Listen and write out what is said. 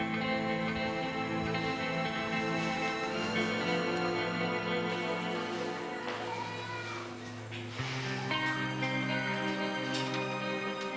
tidak mas arfi